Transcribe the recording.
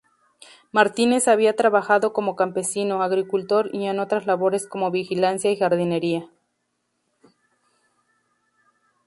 Martínez había trabajado como campesino, agricultor y en otras labores como vigilancia y jardinería.